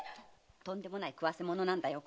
とんでもない食わせ者だよ。